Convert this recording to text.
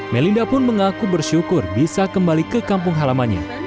melinda pun mengaku bersyukur bisa kembali ke kampung halamannya